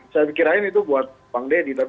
saya berkirain itu buat bang dedi